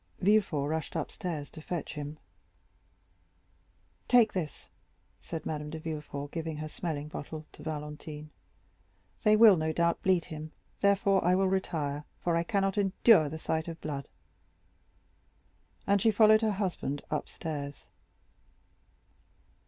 Villefort rushed upstairs to fetch him. "Take this," said Madame de Villefort, giving her smelling bottle to Valentine. "They will, no doubt, bleed him; therefore I will retire, for I cannot endure the sight of blood;" and she followed her husband upstairs.